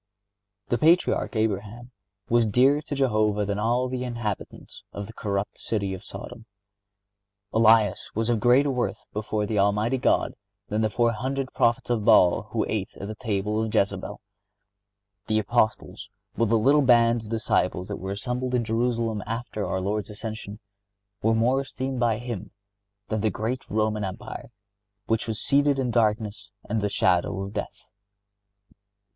The Patriarch Abraham was dearer to Jehovah than all the inhabitants of the corrupt city of Sodom. Elias was of greater worth before the Almighty than the four hundred prophets of Baal who ate at the table of Jezabel. The Apostles with the little band of disciples that were assembled in Jerusalem after our Lord's ascension, were more esteemed by Him than the great Roman Empire, which was seated in darkness and the shadow of death.